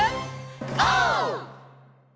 オー！